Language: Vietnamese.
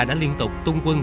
đã liên tục tung quân